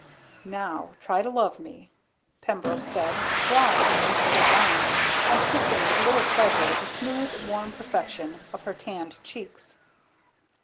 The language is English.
"Now try to love me," Pembroke said, drawing her into his arms and kissing with little pleasure the smooth, warm perfection of her tanned cheeks.